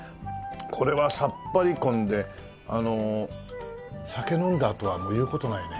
これはさっぱりこんで酒飲んだあとはもう言う事ないね。